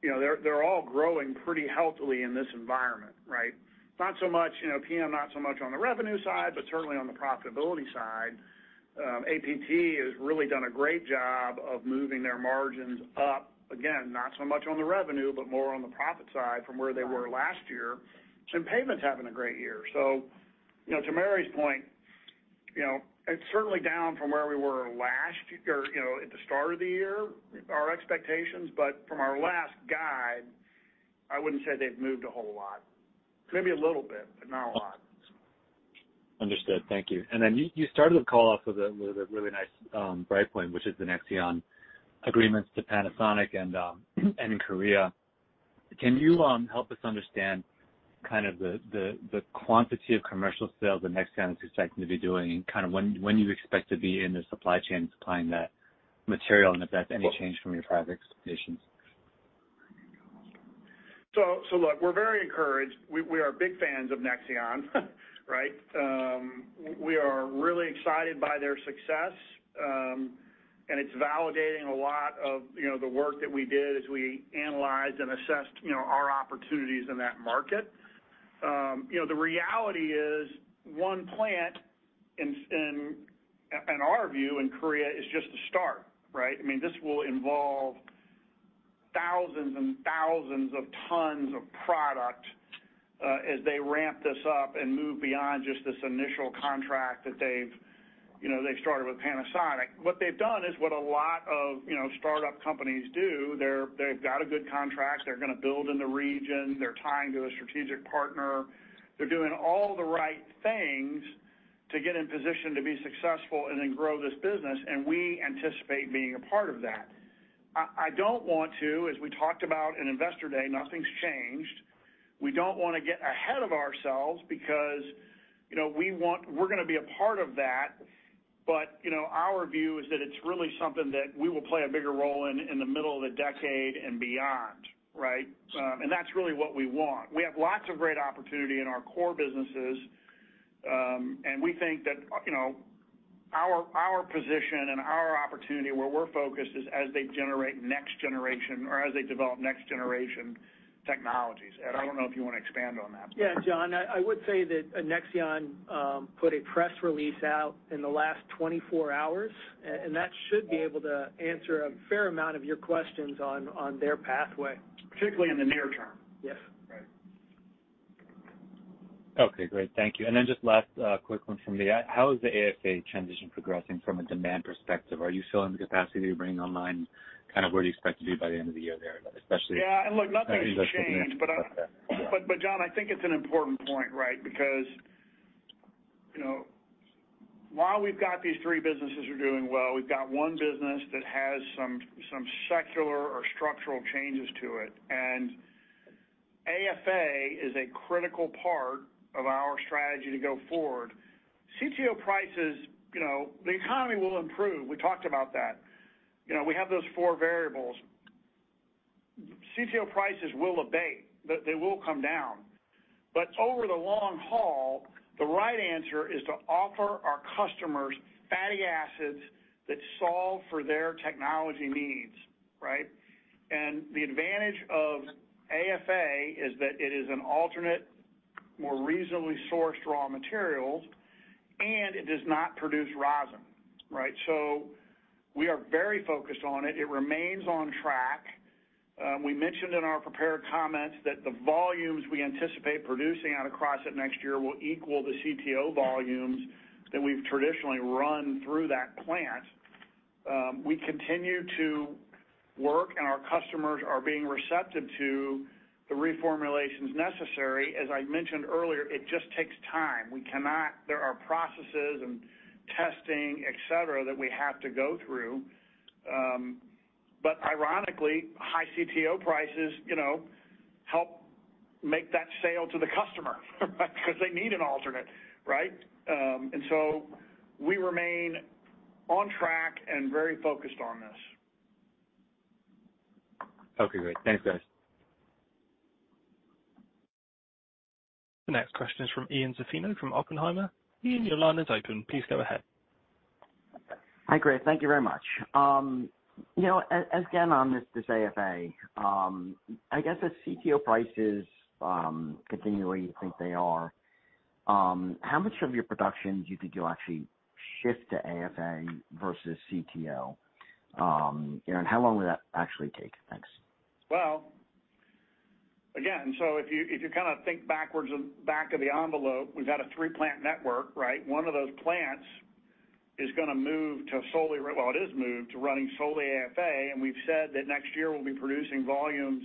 [SPEAKER 3] you know, they're, they're all growing pretty healthily in this environment, right? Not so much, you know, PM, not so much on the revenue side, but certainly on the profitability side. APT has really done a great job of moving their margins up. Again, not so much on the revenue, but more on the profit side from where they were last year. And Pavement's having a great year. You know, to Mary's point, you know, it's certainly down from where we were last year, or, you know, at the start of the year, our expectations. From our last guide, I wouldn't say they've moved a whole lot. Maybe a little bit, but not a lot.
[SPEAKER 8] Understood. Thank you. Then you, you started the call off with a, with a really nice, bright point, which is the Nexeon agreements to Panasonic and, and in Korea. Can you, help us understand kind of the, the, the quantity of commercial sales that Nexeon is expecting to be doing, and kind of when, when you expect to be in the supply chain supplying that material, and if that's any change from your private expectations?
[SPEAKER 3] So look, we're very encouraged. We, we are big fans of Nexeon, right? We are really excited by their success, and it's validating a lot of, you know, the work that we did as we analyzed and assessed, you know, our opportunities in that market. You know, the reality is, one plant in, in, in our view, in Korea, is just the start, right? I mean, this will involve thousands and thousands of tons of product, as they ramp this up and move beyond just this initial contract that they've, you know, they've started with Panasonic. What they've done is what a lot of, you know, startup companies do. They've got a good contract. They're gonna build in the region. They're tying to a strategic partner. They're doing all the right things to get in position to be successful and then grow this business, and we anticipate being a part of that. I, I don't want to, as we talked about in Investor Day, nothing's changed. We don't want to get ahead of ourselves because, you know, we're gonna be a part of that. You know, our view is that it's really something that we will play a bigger role in, in the middle of the decade and beyond, right? That's really what we want. We have lots of great opportunity in our core businesses, and we think that, you know, our, our position and our opportunity, where we're focused is as they generate next-generation or as they develop next-generation technologies. Ed, I don't know if you want to expand on that.
[SPEAKER 8] Yeah, John, I, I would say that Nexeon put a press release out in the last 24 hours, and that should be able to answer a fair amount of your questions on, on their pathway.
[SPEAKER 3] Particularly in the near term.
[SPEAKER 4] Yes.
[SPEAKER 3] Right.
[SPEAKER 8] Okay, great. Thank you. Just last quick one from me. How is the AFA transition progressing from a demand perspective? Are you still in the capacity to bring online, kind of where do you expect to be by the end of the year there, especially.
[SPEAKER 3] Yeah, look, nothing's changed. John, I think it's an important point, right? Because, you know, while we've got these three businesses are doing well, we've got one business that has some, some secular or structural changes to it. AFA is a critical part of our strategy to go forward. CTO prices, you know, the economy will improve. We talked about that. You know, we have those four variables. CTO prices will abate, but they will come down. Over the long haul, the right answer is to offer our customers fatty acids that solve for their technology needs, right? The advantage of AFA is that it is an alternate, more reasonably sourced raw materials, and it does not produce rosin, right? We are very focused on it. It remains on track. We mentioned in our prepared comments that the volumes we anticipate producing out of Crossett next year will equal the CTO volumes that we've traditionally run through that plant. We continue to work, and our customers are being receptive to the reformulations necessary. As I mentioned earlier, it just takes time. There are processes and testing, et cetera, that we have to go through. Ironically, high CTO prices, you know, help make that sale to the customer, because they need an alternate, right? We remain on track and very focused on this.
[SPEAKER 8] Okay, great. Thanks, guys.
[SPEAKER 1] The next question is from Ian Zaffino from Oppenheimer. Ian, your line is open. Please go ahead.
[SPEAKER 9] Hi, great. Thank you very much. You know, again, on this, this AFA, I guess as CTO prices, continue where you think they are, how much of your production do you think you'll actually shift to AFA versus CTO? How long will that actually take? Thanks.
[SPEAKER 3] Again, if you, if you kind of think backwards, back of the envelope, we've got a 3-plant network, right? One of those plants is gonna move to solely, well, it is moved to running solely AFA. We've said that next year we'll be producing volumes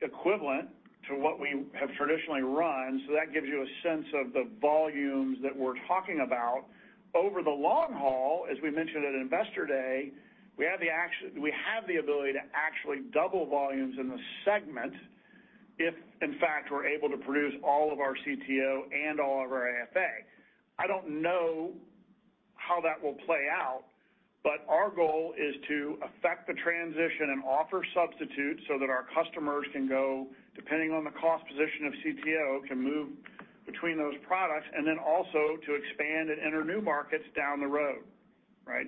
[SPEAKER 3] equivalent to what we have traditionally run. That gives you a sense of the volumes that we're talking about. Over the long haul, as we mentioned at Investor Day, we have the ability to actually double volumes in the segment if, in fact, we're able to produce all of our CTO and all of our AFA. I don't know how that will play out, but our goal is to affect the transition and offer substitutes so that our customers can go, depending on the cost position of CTO, can move between those products, and then also to expand and enter new markets down the road. Right?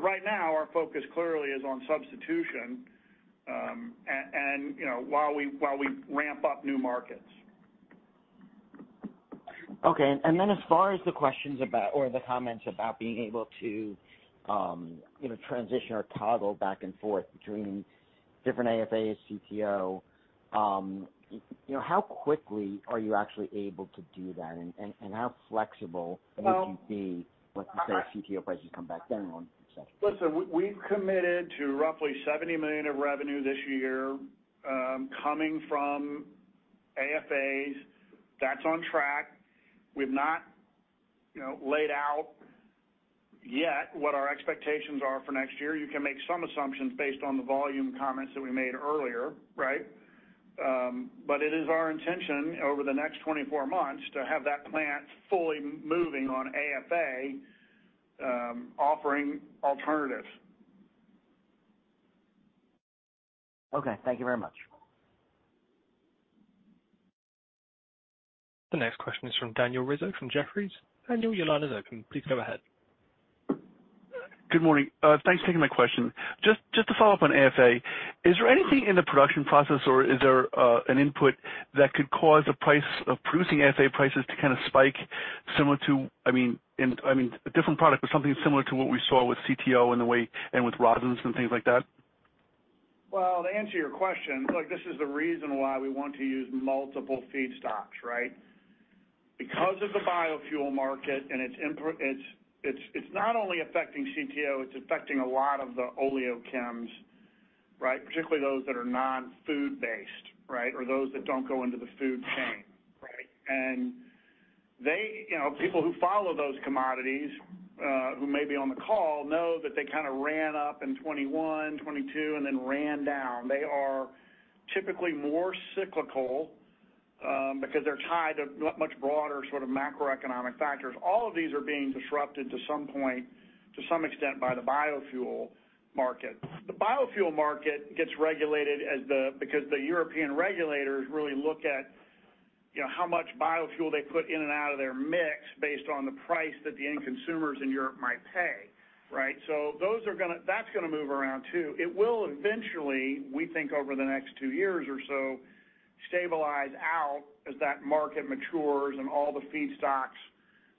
[SPEAKER 3] Right now, our focus clearly is on substitution, and, you know, while we, while we ramp up new markets.
[SPEAKER 9] Okay. As far as the questions about or the comments about being able to, you know, transition or toggle back and forth between different AFAs, CTO, you know, how quickly are you actually able to do that? How flexible-
[SPEAKER 3] Well-
[SPEAKER 9] would you be, let's say, if CTO prices come back down?
[SPEAKER 3] Listen, we've committed to roughly $70 million of revenue this year, coming from AFAs. That's on track. We've not, you know, laid out yet what our expectations are for next year. You can make some assumptions based on the volume comments that we made earlier, right? It is our intention, over the next 24 months, to have that plant fully moving on AFA, offering alternatives.
[SPEAKER 9] Okay, thank you very much.
[SPEAKER 1] The next question is from Daniel Rizzo, from Jefferies. Daniel, your line is open. Please go ahead.
[SPEAKER 10] Good morning. Thanks for taking my question. Just to follow up on AFA, is there anything in the production process or is there an input that could cause the price of producing AFA prices to kind of spike similar to... I mean, a different product, but something similar to what we saw with CTO and the way and with rosins and things like that?
[SPEAKER 3] Well, to answer your question, look, this is the reason why we want to use multiple feedstocks, right? Because of the biofuel market and its it's, it's, it's not only affecting CTO, it's affecting a lot of the oleochems, right? Particularly those that are non-food based, right, or those that don't go into the food chain, right? They, you know, people who follow those commodities, who may be on the call, know that they kind of ran up in 2021, 2022, and then ran down. They are typically more cyclical, because they're tied to much broader sort of macroeconomic factors. All of these are being disrupted to some point, to some extent, by the biofuel market. The biofuel market gets regulated because the European regulators really look at, you know, how much biofuel they put in and out of their mix based on the price that the end consumers in Europe might pay, right? That's gonna move around, too. It will eventually, we think over the next two years or so, stabilize out as that market matures and all the feedstocks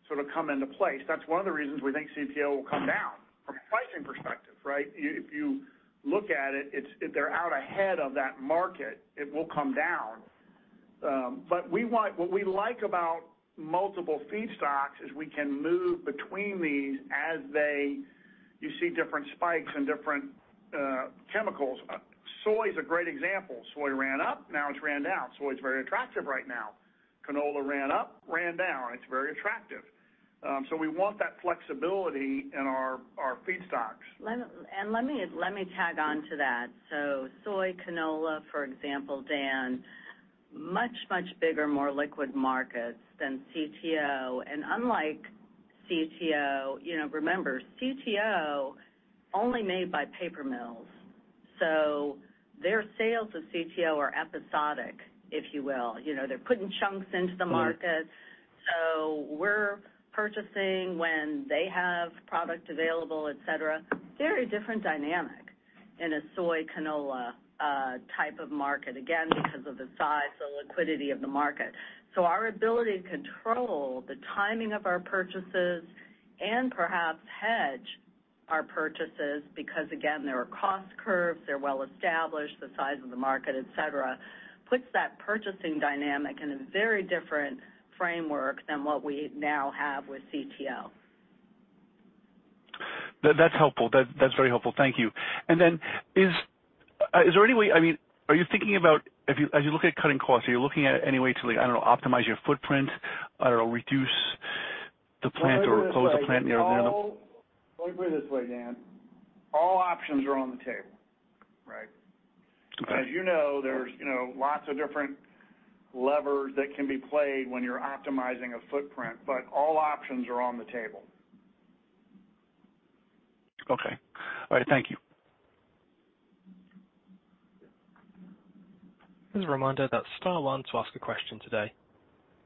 [SPEAKER 3] sort of come into place. That's one of the reasons we think CTO will come down from a pricing perspective, right? If you, if you look at it, they're out ahead of that market, it will come down. We want what we like about multiple feedstocks is we can move between these. You see different spikes in different chemicals. Soy is a great example. Soy ran up, now it's ran down. Soy is very attractive right now. Canola ran up, ran down, it's very attractive. We want that flexibility in our feedstocks.
[SPEAKER 4] Let me, let me tag on to that. Soy, canola, for example, Dan, much, much bigger, more liquid markets than CTO. Unlike CTO, you know, remember, CTO, only made by paper mills, so their sales of CTO are episodic, if you will. You know, they're putting chunks into the market, so we're purchasing when they have product available, et cetera. Very different dynamic in a soy, canola, type of market, again, because of the size, the liquidity of the market. Our ability to control the timing of our purchases and perhaps hedge our purchases, because, again, there are cost curves, they're well established, the size of the market, et cetera, puts that purchasing dynamic in a very different framework than what we now have with CTO.
[SPEAKER 10] That, that's helpful. That, that's very helpful. Thank you. Then, is, is there any way-- I mean, are you thinking about... as you look at cutting costs, are you looking at any way to, I don't know, optimize your footprint, or reduce the plant or close a plant?
[SPEAKER 3] Let me put it this way, Dan. All options are on the table, right? As you know, there's, you know, lots of different levers that can be played when you're optimizing a footprint. All options are on the table.
[SPEAKER 10] Okay. All right, thank you.
[SPEAKER 1] Just a reminder that star one to ask a question today.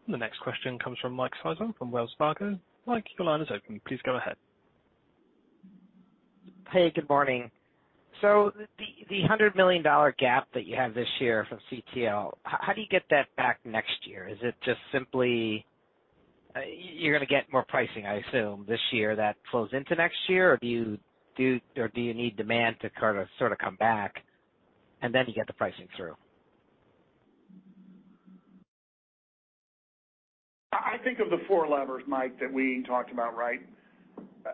[SPEAKER 1] The next question comes from Mike Sison from Wells Fargo. Mike, your line is open. Please go ahead.
[SPEAKER 11] Hey, good morning. The, the $100 million gap that you have this year from CTO, how do you get that back next year? Is it just simply, you're gonna get more pricing, I assume, this year that flows into next year, or do you need demand to kind of, sort of come back, and then you get the pricing through?
[SPEAKER 3] I, I think of the four levers, Mike, that we talked about, right?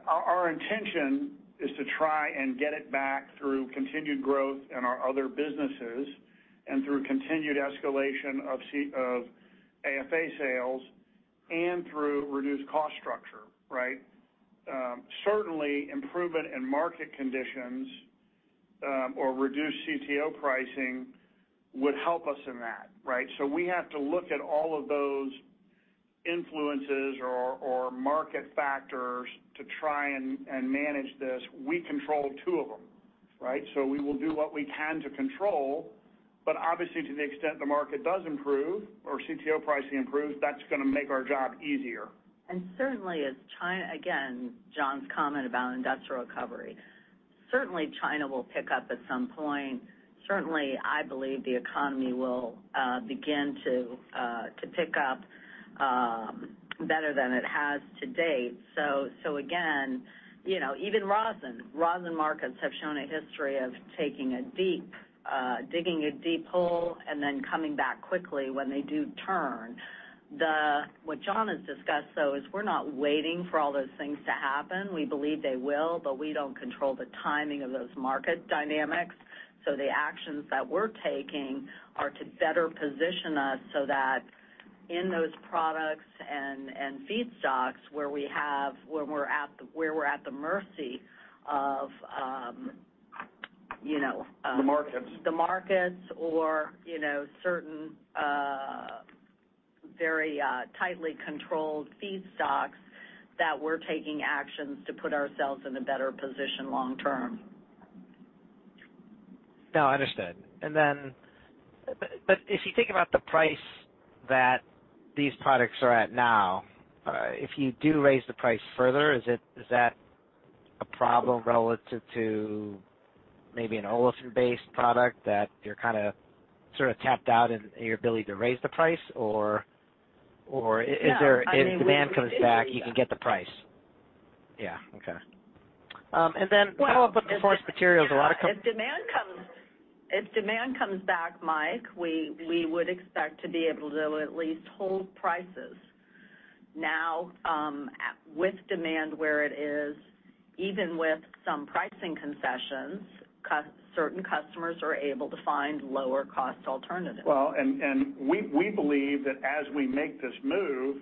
[SPEAKER 3] Our, our intention is to try and get it back through continued growth in our other businesses and through continued escalation of AFA sales and through reduced cost structure, right? Certainly, improvement in market conditions, or reduced CTO pricing would help us in that, right? We have to look at all of those influences or, or market factors to try and, and manage this. We control two of them, right? We will do what we can to control, but obviously, to the extent the market does improve or CTO pricing improves, that's gonna make our job easier.
[SPEAKER 4] Certainly, as China, again, John's comment about industrial recovery, certainly China will pick up at some point. Certainly, I believe the economy will begin to pick up better than it has to date. Again, you know, even rosin, rosin markets have shown a history of taking a deep, digging a deep hole and then coming back quickly when they do turn. What John has discussed, though, is we're not waiting for all those things to happen. We believe they will, but we don't control the timing of those market dynamics. The actions that we're taking are to better position us so that in those products and, and feedstocks, where we're at, where we're at the mercy of, you know.
[SPEAKER 3] The markets.
[SPEAKER 4] the markets or, you know, certain, very, tightly controlled feedstocks, that we're taking actions to put ourselves in a better position long term.
[SPEAKER 11] No, understood. But if you think about the price that these products are at now, if you do raise the price further, is that a problem relative to maybe an olefin-based product that you're kind of, sort of, tapped out in your ability to raise the price?
[SPEAKER 4] Yeah, I mean.
[SPEAKER 11] if demand comes back, you can get the price. Yeah. Okay. Then how about the Performance Materials? A lot of.
[SPEAKER 4] If demand comes, if demand comes back, Mike, we, we would expect to be able to at least hold prices. Now, with demand where it is, even with some pricing concessions, certain customers are able to find lower cost alternatives.
[SPEAKER 3] Well, and we, we believe that as we make this move,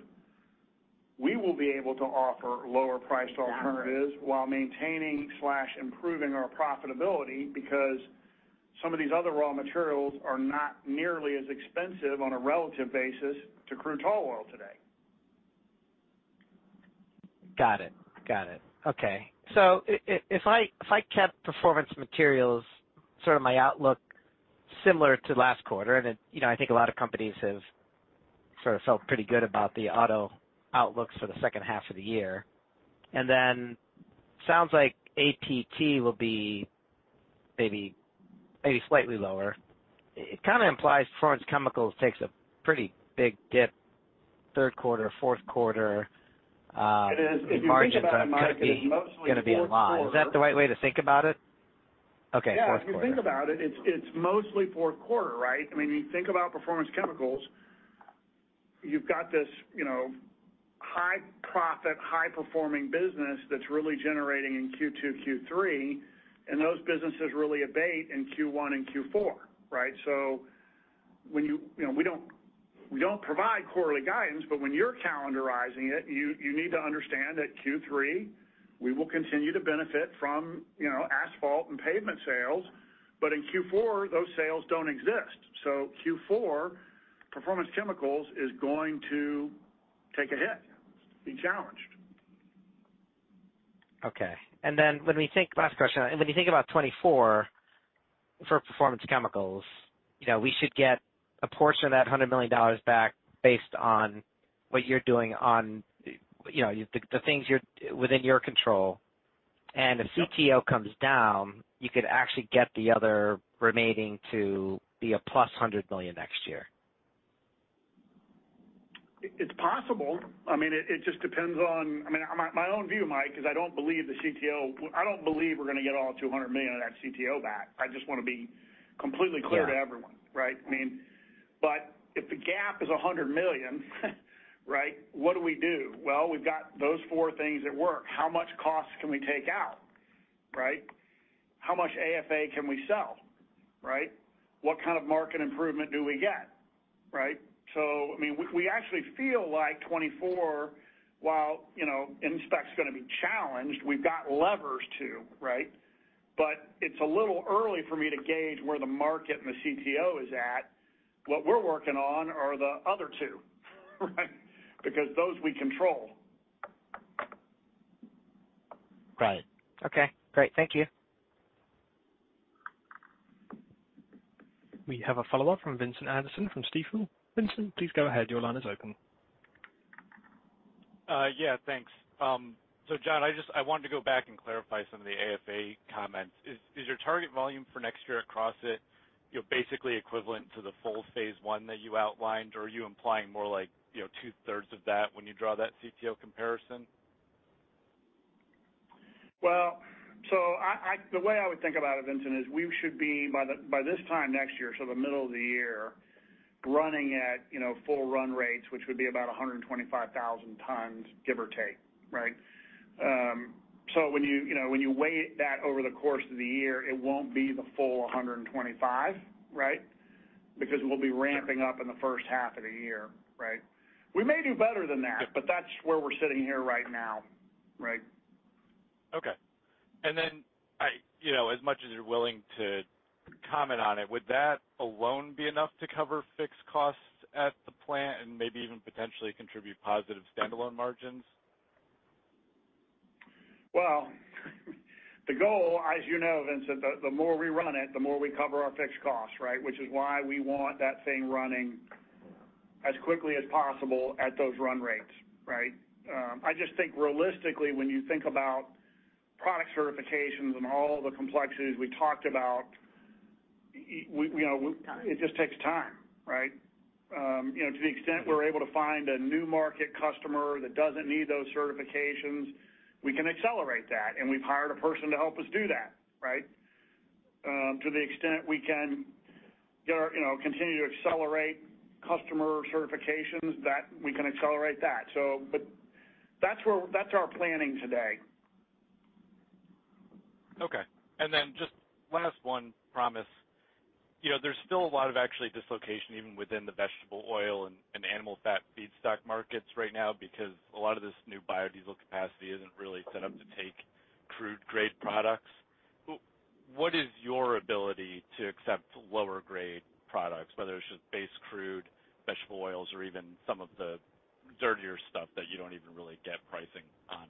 [SPEAKER 3] we will be able to offer lower priced alternatives.
[SPEAKER 4] Exactly
[SPEAKER 3] while maintaining slash improving our profitability, because some of these other raw materials are not nearly as expensive on a relative basis to crude tall oil today.
[SPEAKER 11] Got it. Got it. Okay. If I, if I kept Performance Materials, sort of my outlook, similar to last quarter, and it... You know, I think a lot of companies have sort of felt pretty good about the auto outlooks for the second half of the year. Then, sounds like APT will be maybe slightly lower. It kind of implies Performance Chemicals takes a pretty big dip, third quarter, fourth quarter.
[SPEAKER 3] It is. If you think about it, Mike-
[SPEAKER 11] Margin is gonna be online. Is that the right way to think about it? Okay, fourth quarter.
[SPEAKER 3] Yeah, if you think about it, it's, it's mostly fourth quarter, right? I mean, you think about Performance Chemicals, you've got this, you know, high profit, high performing business that's really generating in Q2, Q3, and those businesses really abate in Q1 and Q4, right? You know, we don't, we don't provide quarterly guidance. When you're calendarizing it, you, you need to understand that Q3, we will continue to benefit from, you know, asphalt and pavement sales. In Q4, those sales don't exist. Q4, Performance Chemicals is going to take a hit, be challenged.
[SPEAKER 11] Okay. Last question. When you think about 2024 for Performance Chemicals, you know, we should get a portion of that $100 million back based on what you're doing on, you know, the things within your control.
[SPEAKER 3] Yeah.
[SPEAKER 11] If CTO comes down, you could actually get the other remaining to be a +$100 million next year.
[SPEAKER 3] It's possible. I mean, it just depends on... I mean, my own view, Mike, is I don't believe we're gonna get all $200 million of that CTO back. I just want to be completely clear to everyone.
[SPEAKER 11] Yeah.
[SPEAKER 3] Right? I mean, if the gap is $100 million, right, what do we do? Well, we've got those four things at work. How much cost can we take out, right? How much AFA can we sell, right? What kind of market improvement do we get? Right? I mean, we, we actually feel like 2024, while, you know, IS's gonna be challenged, we've got levers, too, right? It's a little early for me to gauge where the market and the CTO is at. What we're working on are the other two, right? Because those we control.
[SPEAKER 9] Right. Okay, great. Thank you.
[SPEAKER 1] We have a follow-up from Vincent Anderson `from Stephens. Vincent, please go ahead. Your line is open.
[SPEAKER 5] Yeah, thanks. John, I wanted to go back and clarify some of the AFA comments. Is your target volume for next year Crossett, you know, basically equivalent to the full phase I that you outlined, or are you implying more like, you know, two-thirds of that when you draw that CTO comparison?
[SPEAKER 3] Well, I, the way I would think about it, Vincent, is we should be by the, by this time next year, so the middle of the year, running at, you know, full run rates, which would be about 125,000 tons, give or take, right? When you, you know, when you weigh that over the course of the year, it won't be the full 125, right? Because we'll be ramping up in the first half of the year, right? We may do better than that-
[SPEAKER 5] Sure.
[SPEAKER 3] That's where we're sitting here right now, right.
[SPEAKER 5] Okay. You know, as much as you're willing to comment on it, would that alone be enough to cover fixed costs at the plant and maybe even potentially contribute positive standalone margins?
[SPEAKER 3] Well, the goal, as you know, Vincent, the, the more we run it, the more we cover our fixed costs, right? Which is why we want that thing running as quickly as possible at those run rates, right? I just think realistically, when you think about product certifications and all the complexities we talked about, you know.
[SPEAKER 5] Time.
[SPEAKER 3] It just takes time, right? You know, to the extent we're able to find a new market customer that doesn't need those certifications, we can accelerate that, and we've hired a person to help us do that, right? To the extent we can get our, you know, continue to accelerate customer certifications, that we can accelerate that. But that's where-- that's our planning today.
[SPEAKER 5] Okay. Then just last one, promise. You know, there's still a lot of actually dislocation, even within the vegetable oil and, and animal fat feedstock markets right now, because a lot of this new biodiesel capacity isn't really set up to take crude grade products. What is your ability to accept lower grade products, whether it's just base crude, vegetable oils, or even some of the dirtier stuff that you don't even really get pricing on?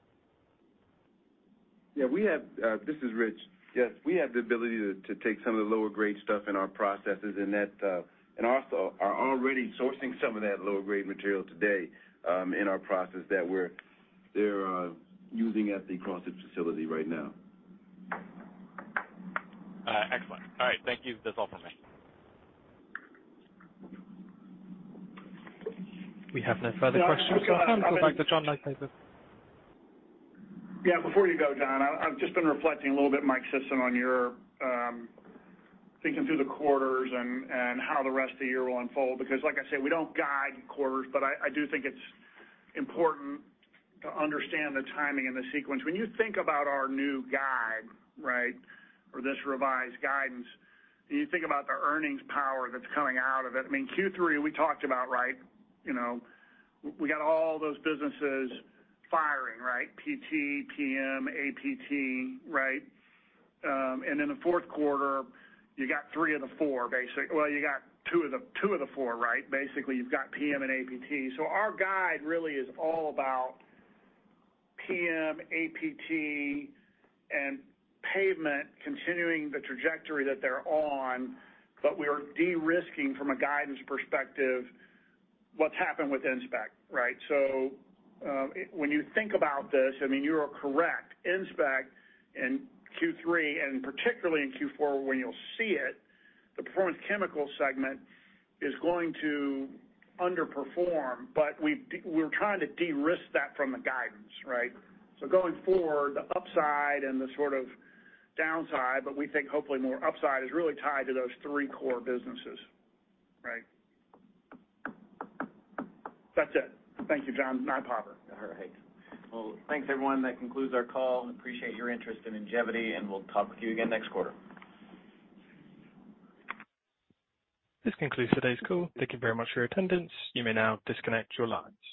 [SPEAKER 6] Yeah, we have. This is Rich. Yes, we have the ability to, to take some of the lower grade stuff in our processes and that, and also are already sourcing some of that lower grade material today, in our process that they're using at the Crossett facility right now.
[SPEAKER 5] Excellent. All right, thank you. That's all for me.
[SPEAKER 1] We have no further questions.
[SPEAKER 3] Yeah, I've got.
[SPEAKER 1] Go back to John Nypaver, please.
[SPEAKER 3] Yeah, before you go, John, I, I've just been reflecting a little bit, Mike Sison, on your thinking through the quarters and, and how the rest of the year will unfold. Because like I said, we don't guide quarters, but I, I do think it's important to understand the timing and the sequence. When you think about our new guide, right? Or this revised guidance, you think about the earnings power that's coming out of it. I mean, Q3, we talked about, right? You know, we got all those businesses firing, right? PT, PM, APT, right? In the fourth quarter, you got three of the four, well, you got two of the, two of the four, right? Basically, you've got PM and APT. Our guide really is all about PM, APT, and pavement continuing the trajectory that they're on, but we are de-risking from a guidance perspective what's happened with IS, right? When you think about this, I mean, you are correct. IS in Q3, and particularly in Q4, when you'll see it, the Performance Chemicals segment is going to underperform, but we're trying to de-risk that from the guidance, right? Going forward, the upside and the sort of downside, but we think hopefully more upside, is really tied to those three core businesses. Right. That's it. Thank you, John. John Nypaver.
[SPEAKER 2] All right. Well, thanks, everyone. That concludes our call. Appreciate your interest in Ingevity. We'll talk with you again next quarter.
[SPEAKER 1] This concludes today's call. Thank you very much for your attendance. You may now disconnect your lines.